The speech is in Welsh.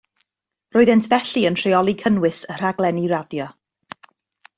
Roeddent felly yn rheoli cynnwys y rhaglenni radio